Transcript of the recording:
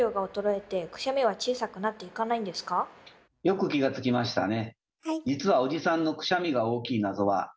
よく気が付きましたね。